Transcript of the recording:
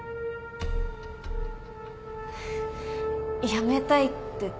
辞めたいって。